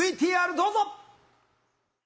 ＶＴＲどうぞ！